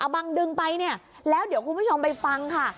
บังดึงไปเนี่ยแล้วเดี๋ยวคุณผู้ชมไปฟังค่ะ